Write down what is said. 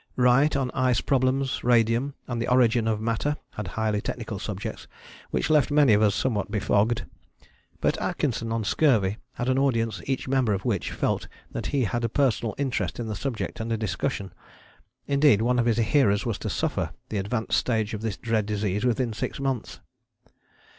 Wright on Ice Problems, Radium, and the Origin of Matter had highly technical subjects which left many of us somewhat befogged. But Atkinson on Scurvy had an audience each member of which felt that he had a personal interest in the subject under discussion. Indeed one of his hearers was to suffer the advanced stage of this dread disease within six months.